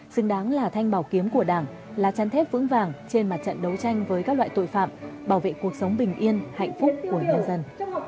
xứng đáng là thanh bảo kiếm của đảng là chăn thép vững vàng trên mặt trận đấu tranh với các loại tội phạm bảo vệ cuộc sống bình yên hạnh phúc của nhân dân